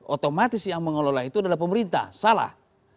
otomatis yang mengelola itu adalah pemerintah salah